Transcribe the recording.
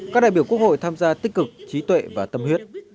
các đại biểu quốc hội tham gia tích cực trí tuệ và tâm huyết